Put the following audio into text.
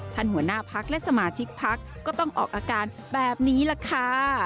หัวหน้าพักและสมาชิกพักก็ต้องออกอาการแบบนี้แหละค่ะ